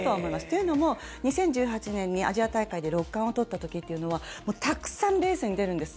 というのも、２０１８年にアジア大会で６冠を取った時というのはたくさんレースに出るんです。